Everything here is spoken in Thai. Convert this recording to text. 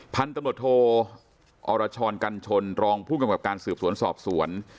พันธบทโทอรชรกัณฑลรองผู้กัมกับการสืบสวนสอบสวน